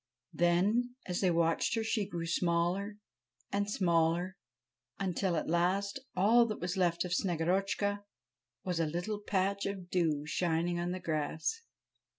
Then, as they watched her, she grew smaller and smaller, until, at last, all that was left of Snegorotchka was a little patch of dew shining on the grass.